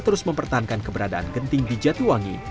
terus mempertahankan keberadaan genting di jatiwangi